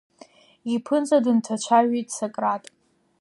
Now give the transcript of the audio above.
Иԥынҵа дынҭацәажәеит Сократ.